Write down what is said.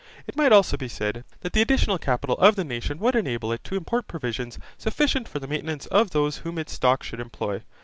It might also be said, that the additional capital of the nation would enable it to import provisions sufficient for the maintenance of those whom its stock could employ.